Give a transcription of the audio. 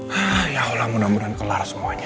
ya allah mudah mudahan kelar semuanya